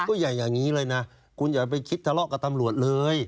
ก็อย่าอย่างนี้เลยนะคุณอย่าไปคิดทะเลาะกับตำรวจเลย